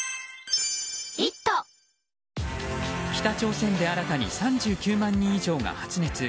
北朝鮮で新たに３９万人以上が発熱。